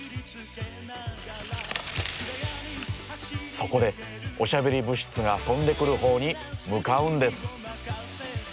そこでおしゃべり物質が飛んでくるほうに向かうんです。